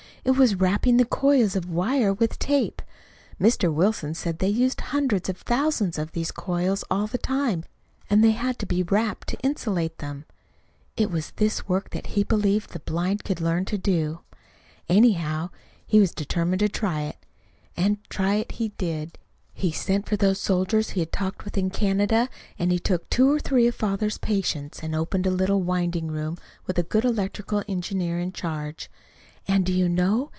It was wrapping the coils of wire with tape. Mr. Wilson said they used hundreds of thousands of these coils all the time, and they had to be wrapped to insulate them. It was this work that he believed the blind could learn to do. Anyhow, he determined to try it. And try it he did. He sent for those soldiers he had talked with in Canada, and he took two or three of father's patients, and opened a little winding room with a good electrical engineer in charge. And, do you know?